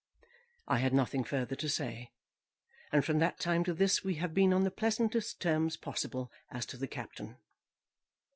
I had nothing further to say; and from that time to this we have been on the pleasantest terms possible as to the Captain.